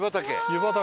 湯畑。